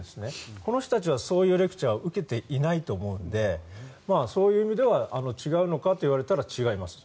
この人たちはそういうレクチャーを受けていないと思うのでそういう意味では違うのかと言われたら違います。